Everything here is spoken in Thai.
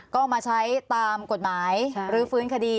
ก็มาใช้ตามกฎหมายรื้อฟื้นคดี